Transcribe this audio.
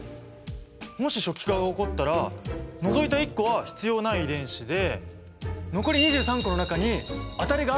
もし初期化が起こったら除いた１個は必要ない遺伝子で残り２３個の中に当たりがあるって分かるし。